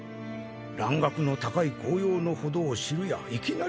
蘭学の高い効用の程を知るやいきなり脱藩。